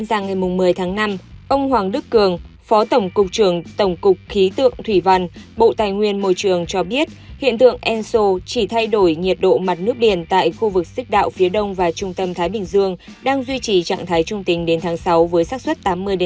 cục trưởng tổng cục khí tượng thủy văn bộ tài nguyên môi trường cho biết hiện tượng enso chỉ thay đổi nhiệt độ mặt nước điển tại khu vực xích đạo phía đông và trung tâm thái bình dương đang duy trì trạng thái trung tình đến tháng sáu với sát xuất tám mươi tám mươi năm